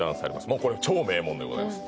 もうこれ超名門でございます